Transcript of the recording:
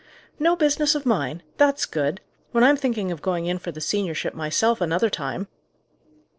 "No business of mine! That's good! When I'm thinking of going in for the seniorship myself another time!"